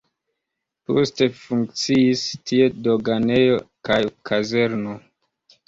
Poste funkciis tie doganejo kaj kazerno.